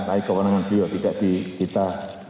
lagi kewenangan bio tidak dihita